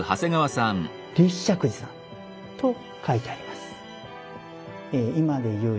「立石寺」さんと書いてあります。